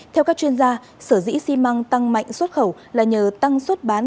theo các chuyên gia sở dĩ xi măng tăng mạnh xuất khẩu là nhờ tăng xuất bán